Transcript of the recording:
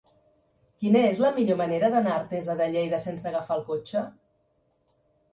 Quina és la millor manera d'anar a Artesa de Lleida sense agafar el cotxe?